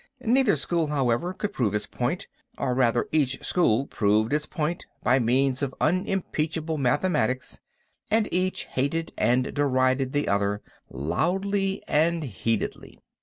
Neither school, however, could prove its point—or, rather, each school proved its point, by means of unimpeachable mathematics—and each hated and derided the other, loudly and heatedly.